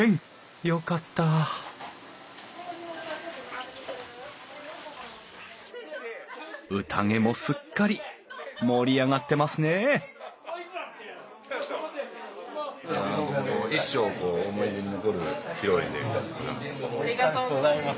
よかったうたげもすっかり盛り上がってますねえありがとうございます。